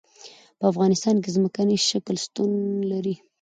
په افغانستان کې ځمکنی شکل شتون لري.